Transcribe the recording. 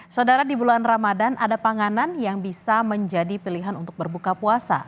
saudara di bulan ramadan ada panganan yang bisa menjadi pilihan untuk berbuka puasa